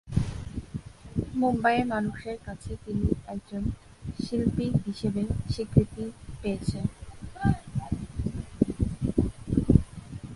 মুম্বইয়ের মানুষের কাছে তিনি একজন শিল্পী হিসেবে স্বীকৃতি পেয়েছেন।